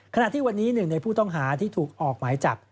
ขณะที่วันนี้หนึ่งในผู้ต้องหาที่ถูกออกหมายจับ